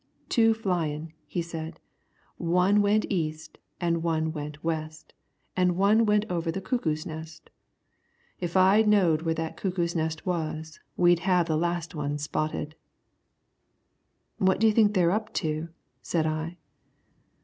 "Two flyin'," he said. "One went east, an' one went west, an' one went over the cuckoo's nest. If I knowed where that cuckoo's nest was, we'd have the last one spotted." "What do you think they're up to?" said I.